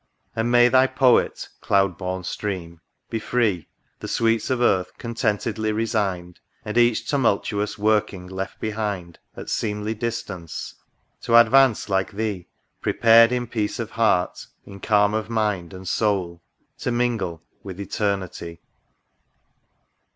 And may thy Poet, cloud born Stream ! be free. The sweets of earth contentedly resigned. And each tumultuous working left behind At seemly distance, to advance like Thee, Prepared, in peace of heart, in calm of mind And soul, to mingle with Eternity!